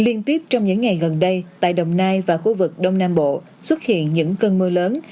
liên tiếp trong những ngày gần đây tại đồng nai và khu vực đông nam bộ xuất hiện những cơn mưa lớn